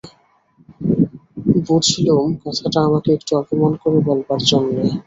বুঝলুম, কথাটা আমাকে একটু অপমান করে বলবার জন্যে।